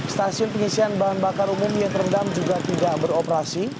stasiun pengisian bahan bakar umum yang terendam juga tidak beroperasi